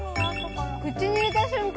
口に入れた瞬間